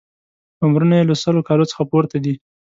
عمرونه یې له سلو کالونو څخه پورته دي.